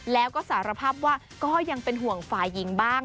แล้วก็สารภาพว่าก็ยังเป็นห่วงฝ่ายหญิงบ้าง